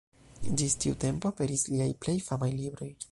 Ĝis tiu tempo aperis liaj plej famaj libroj.